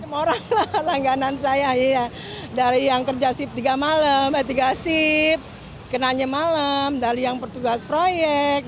moral lah langganan saya dari yang kerja sip tiga malam tiga sip kenanya malam dari yang bertugas proyek